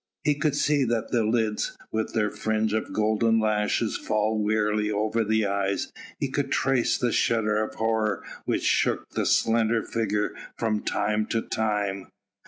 He could see the lids with their fringe of golden lashes fall wearily over the eyes, he could trace the shudder of horror which shook the slender figure from time to time.